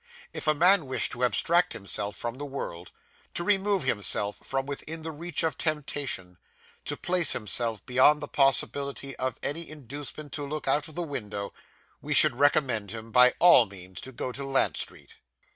If a man wished to abstract himself from the world to remove himself from within the reach of temptation to place himself beyond the possibility of any inducement to look out of the window we should recommend him by all means go to Lant Street.